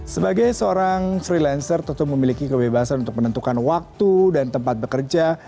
sebagai seorang freelancer tetap memiliki kebebasan untuk menentukan waktu dan tempat bekerja